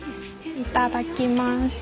いただきます。